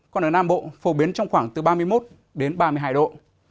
còn ở nam bộ phổ biến trong khoảng từ ba mươi một đến ba mươi hai độ